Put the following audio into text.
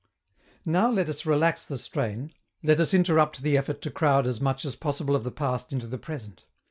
Now let us relax the strain, let us interrupt the effort to crowd as much as possible of the past into the present.